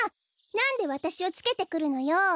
なんでわたしをつけてくるのよ！